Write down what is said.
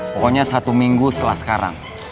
pokoknya satu minggu setelah sekarang